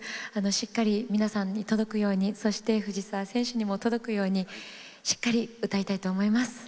しっかり皆さんに届くようにそして藤澤選手にも届くようにしっかり歌いたいと思います。